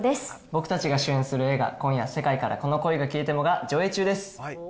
僕たちが主演する映画、今夜、世界からこの恋が消えてもが上映中です。